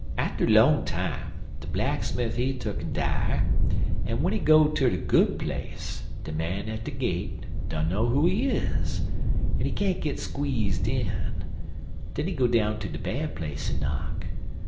Atter 'long time, de blacksmif he tuck'n die, en w'en he go ter de Good Place de man at de gate dunner who he is, en he can't squeeze in. Den he go down ter de Bad Place, en knock.